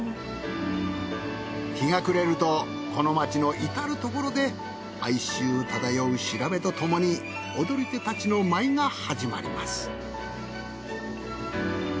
日が暮れるとこの町の至るところで哀愁漂う調べとともに踊り手たちの舞が始まります。